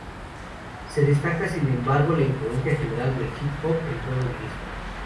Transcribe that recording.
Se destaca, sin embargo, la influencia general del hip hop en todo el disco.